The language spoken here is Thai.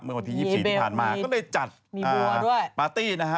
วันที่๒๔ที่ผ่านมาก็เลยจัดปาร์ตี้นะฮะ